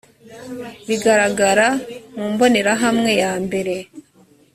bigaragara mu mbonerahamwe yambere